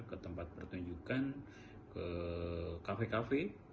ke tempat pertunjukan ke kafe kafe